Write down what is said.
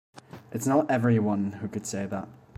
It's not every one who could say that.